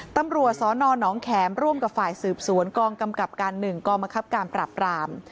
ตำรวจสนนแขมร่วมกับฝ่ายสืบสวนกรรมกำกับการ๑กรมกรับกราบราม